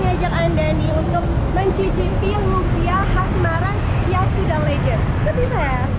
ajak andani untuk mencicipi lumpia khas semarang yang sudah legend